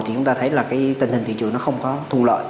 thì chúng ta thấy là cái tình hình thị trường nó không có thu lợi